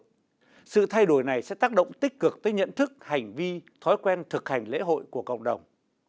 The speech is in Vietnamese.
tuy nhiên sự thay đổi này sẽ tác động tích cực tới nhận thức hành vi thói quen thực hành lễ hội của cộng đồng